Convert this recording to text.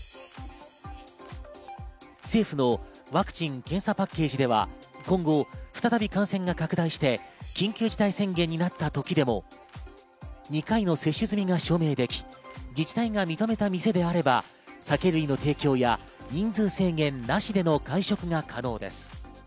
政府のワクチン・検査パッケージでは今後、再び感染が拡大して、緊急事態宣言になった時でも２回の接種済みが証明でき、自治体が認めた店であれば酒類の提供や、人数制限なしでの会食が可能です。